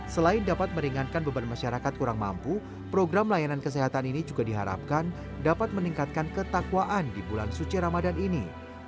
selain dapat meringankan beban masyarakat kurang mampu program layanan kesehatan ini juga diharapkan dapat meningkatkan ketakwaan di bulan suci ramadan ini